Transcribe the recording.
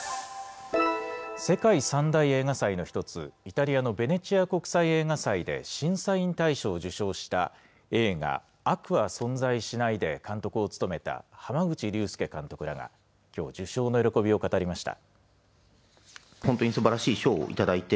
世界３大映画祭の１つ、イタリアのベネチア国際映画祭で審査員大賞を受賞した、映画、悪は存在しないで監督を務めた濱口竜介監督らが、きょう、受賞の喜びを語りました。